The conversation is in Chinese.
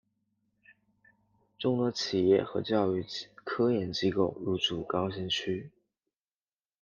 众多企业和教育科研机构入驻高新区。